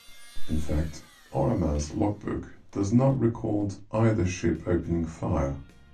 In fact "Orama"s logbook does not record either ship opening fire.